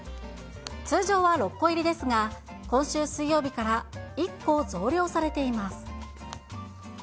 通常は６個入りですが、今週水曜日から１個増量されています。